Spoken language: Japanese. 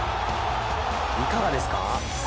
いかがですか？